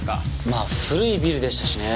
まあ古いビルでしたしね。